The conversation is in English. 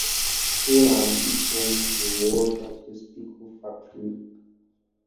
Holland is home to the world's largest pickle factory.